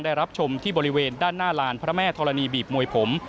ได้รับชมที่บริเวณด้านหน้าลานพระแม่ธรณีบีบมวยผม